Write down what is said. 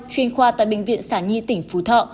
chuyên khoa tại bệnh viện sản nhi tỉnh phú thọ